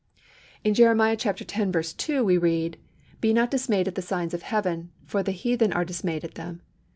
In Jeremiah x. 2 we read:— "Be not dismayed at the signs of heaven; for the heathen are dismayed at them."